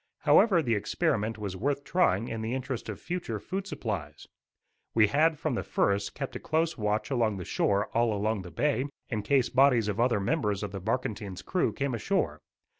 However, the experiment was worth trying in the interest of future food supplies. We had, from the first, kept a close watch along the shore all along the bay, in case bodies of other members of the barkentine's crew came ashore.